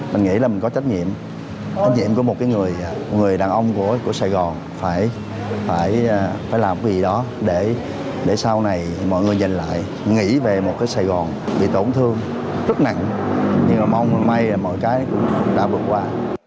mình nghĩ là mình có trách nhiệm trách nhiệm của một cái người người đàn ông của sài gòn phải làm cái gì đó để sau này mọi người nhìn lại nghĩ về một cái sài gòn bị tổn thương rất nặng nhưng mà mong may là mọi cái cũng đã vượt qua